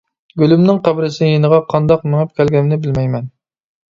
گۈلۈمنىڭ قەبرىسى يېنىغا قانداق مېڭىپ كەلگىنىمنى بىلمەيمەن.